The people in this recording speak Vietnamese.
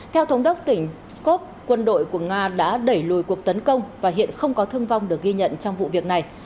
theo thống đốc tỉnh skov quân đội của nga đã đẩy lùi cuộc tấn công và hiện không có thương vong được ghi nhận trong vụ việc này